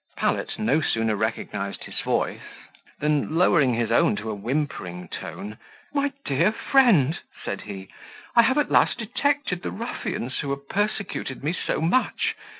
Pallet no sooner recognized his voice than, lowering his own to a whimpering tone, "My dear friend!" said he, "I have at last detected the ruffians who have persecuted me so much.